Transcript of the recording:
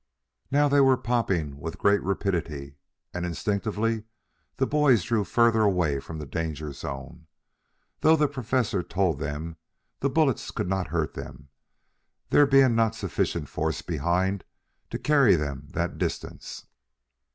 Now they were popping with great rapidity, and instinctively the boys drew further away from the danger zone, though the Professor told them the bullets could not hurt them, there being not sufficient force behind to carry them that distance.